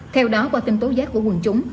theo đó qua tin tố giác của quân chúng